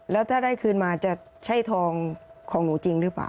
แล้วถ้าได้คืนมาจะใช่ทองของหนูจริงหรือเปล่า